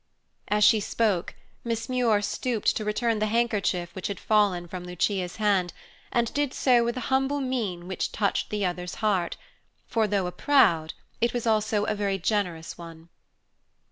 As she spoke, Miss Muir stooped to return the handkerchief which had fallen from Lucia's hand, and did so with a humble mien which touched the other's heart; for, though a proud, it was also a very generous one.